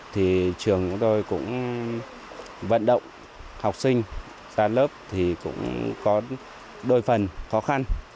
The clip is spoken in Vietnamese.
thì trường của tôi cũng vận động học sinh ra lớp thì cũng có đôi phần khó khăn